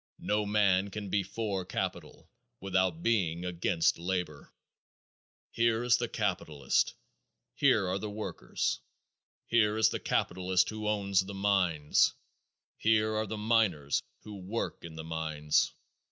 No man can be for capital without being against labor. Here is the capitalist; here are the workers. Here is the capitalist who owns the mines; here are the miners who work in the mines.